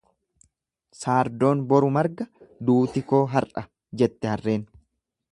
Saardoon boru margaa duuti koo har'a jette harreen.